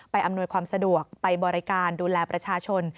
อำนวยความสะดวกไปบริการดูแลประชาชน